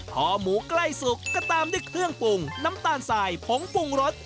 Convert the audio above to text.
พอหมูใกล้สุกก็ตามด้วยเครื่องปรุงน้ำตาลสายผงปรุงรส